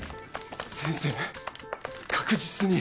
先生確実に。